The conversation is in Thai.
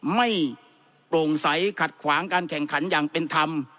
ไม่โปร่งใสขัดขวางการแข่งขันอย่างเป็นธรรม